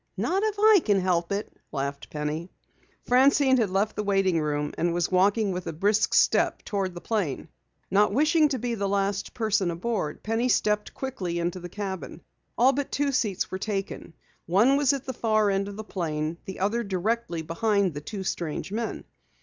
"Not if I can help it," laughed Penny. Francine had left the waiting room and was walking with a brisk step toward the plane. Not wishing to be the last person aboard, Penny stepped quickly into the cabin. All but two seats were taken. One was at the far end of the plane, the other directly behind the two strange men.